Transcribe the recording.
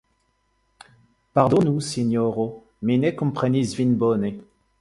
Pardonu, Sinjoro, mi ne komprenis vin bone.